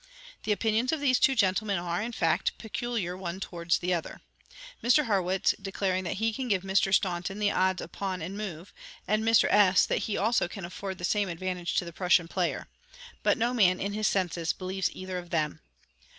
The opinions of these two gentlemen are, in fact, peculiar one towards the other; Mr. Harrwitz declaring that he can give Mr. Staunton the odds of pawn and move; and Mr. S., that he also can afford the same advantage to the Prussian player. But no man in his senses believes either of them.